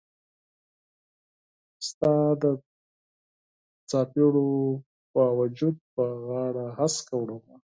ستا د څیپړو با وجود به غاړه هسکه وړمه